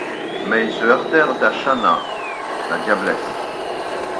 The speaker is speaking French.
Mais ils se heurtèrent à Shanna la diablesse.